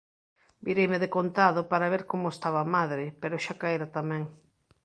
Vireime decontado para ver como estaba madre pero xa caera tamén.